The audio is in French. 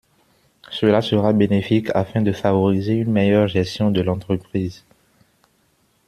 Cela sera bénéfique afin de favoriser une meilleure gestion de l’entreprise.